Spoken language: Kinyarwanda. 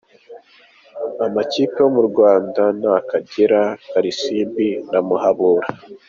Amakipe yo mu Rwanda ni Akagera, Karisimbi na Muhabura.